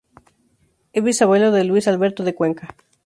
Es bisabuelo de Luis Alberto de Cuenca.